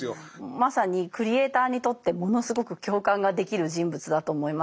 まさにクリエーターにとってものすごく共感ができる人物だと思います。